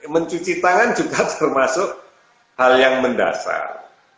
mencuci tangan juga termasuk hal yang mendasar